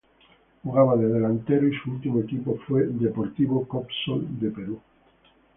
Jugaba de delantero y su último equipo fue Deportivo Coopsol de Perú.